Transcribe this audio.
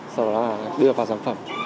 sau đó là đưa vào sản phẩm